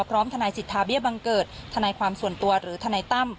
พร้อมทนายสิทธาเบี้ยบังเกิดทนายความส่วนตัวหรือทนายตั้ม